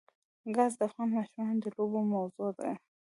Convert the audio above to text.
ګاز د افغان ماشومانو د لوبو موضوع ده.